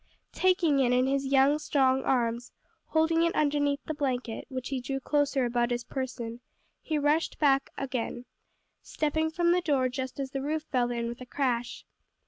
Taking it in his young, strong arms, holding it underneath the blanket, which he drew closer about his person, he rushed back again, stepping from the door just as the roof fell in with a crash.